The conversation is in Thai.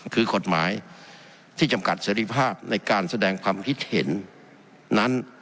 คือกฎหมายที่จำกัดเสรีภาพในการแสดงความคิดเห็นนั้น